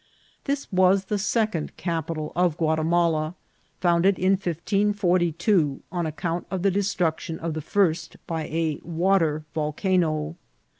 This was the second capital of Guatimala, founded in 1542 on account of the destruction of the first by a water volcano.